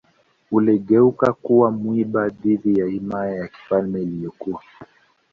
uligeuka kuwa mwiba dhidi ya himaya ya kifalme iliyokuwa